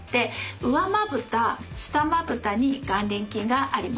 上まぶた下まぶたに眼輪筋があります。